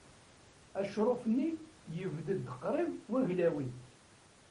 Acṛuf-nni yebded qrib waglawi.